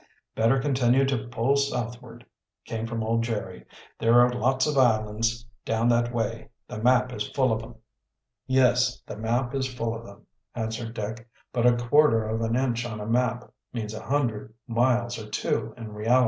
"Better continue to pull southward," came from old Jerry. "There are lots of islands down that way. The map is full of 'em." "Yes, the map is full of them," answered Dick. "But a quarter of an inch on the map means a hundred miles or two in reality."